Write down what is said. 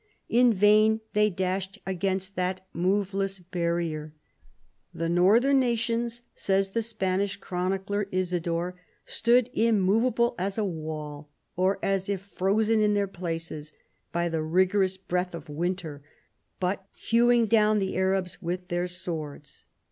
In vain they dashed against that moveless barrier. " The Northern nations," says the Spanish Chronicler Isidore,* " stood immovable as a wall, or as if frozen to their places by the rigorous breath of winter, but hewins" down the Arabs with their swords.